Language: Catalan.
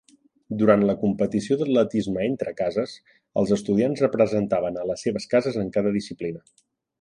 Durant la competició d'atletisme entre cases, els estudiants representaven a les seves cases en cada disciplina.